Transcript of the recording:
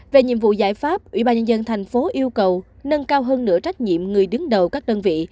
về nhiệm vụ giải pháp ủy ban nhân dân thành phố yêu cầu nâng cao hơn nửa trách nhiệm người đứng đầu các đơn vị